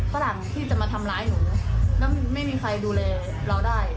ฝรั่งที่จะมาทำร้ายหนูแล้วไม่มีใครดูแลเราได้